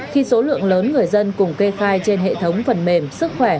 khi số lượng lớn người dân cùng kê khai trên hệ thống phần mềm sức khỏe